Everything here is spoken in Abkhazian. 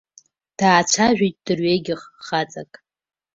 Даацәажәеит дырҩегьых хаҵак.